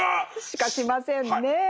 しかしませんね。